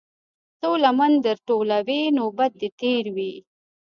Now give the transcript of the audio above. څــــو لمـــن در ټولـــوې نوبت دې تېر وي.